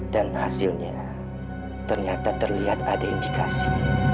dan hasilnya ternyata terlihat ada indikasi